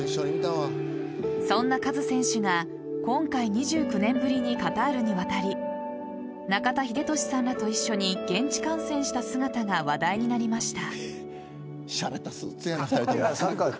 そんなカズ選手が今回２９年ぶりにカタールに渡り中田英寿さんらと一緒に現地観戦した姿が話題になりました。